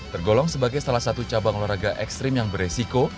tergolong sebagai salah satu cabang olahraga ekstrim yang beresiko